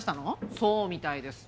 そうみたいです。